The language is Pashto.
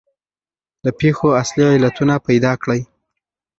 د پېښو اصلي علتونه پیدا کړئ.